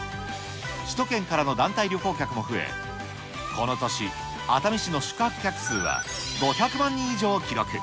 首都圏からの団体旅行客も増え、この年、熱海市の宿泊客数は５００万人以上を記録。